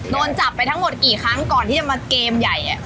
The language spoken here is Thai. โดนจับไปทั้งหมดกี่ครั้งก่อนที่จะมาเกมใหญ่